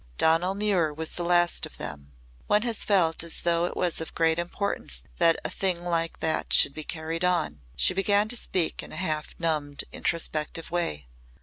Donal Muir was the last of them. One has felt as though it was of great importance that that a thing like that should be carried on." She began to speak in a half numbed introspective way.